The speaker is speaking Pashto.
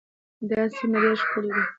دا سیمه ډېره ښکلې ده.